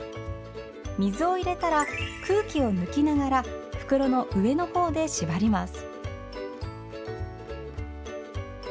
水を入れたら、空気を抜きながら袋の上の方で縛ります。